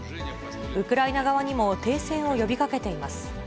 ウクライナ側にも停戦を呼びかけています。